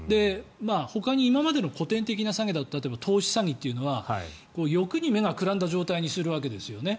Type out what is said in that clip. ほかに今までの古典的な詐欺だと例えば、投資詐欺というのは欲に目がくらんだ状態にするわけですよね。